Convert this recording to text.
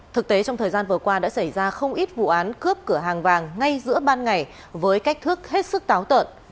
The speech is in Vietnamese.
thực tế trong thời gian vừa qua đã xảy ra không ít vụ án cướp cửa hàng vàng ngay giữa ban ngày với cách thức hết sức táo tợn